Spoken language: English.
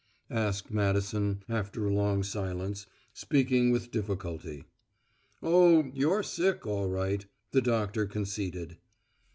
asked Madison after a long silence, speaking with difficulty. "Oh, you're sick, all right," the doctor conceded.